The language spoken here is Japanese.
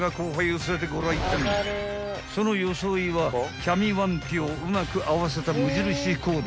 ［その装いはキャミワンピをうまく合わせた無印コーデ］